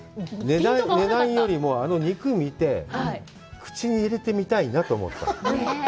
値段よりも、あの肉を見て、口に入れてみたいなと思った。